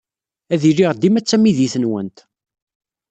Ad iliɣ dima d tamidit-nwent.